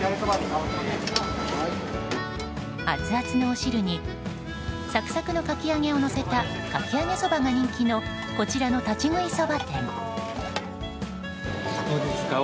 アツアツのお汁にサクサクのかき揚げをのせたかき揚げそばが人気のこちらの立ち食いそば店。